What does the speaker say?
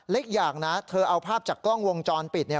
อีกอย่างนะเธอเอาภาพจากกล้องวงจรปิดเนี่ย